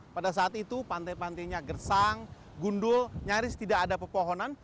pada saat itu pantai pantainya gersang gundul nyaris tidak ada pepohonan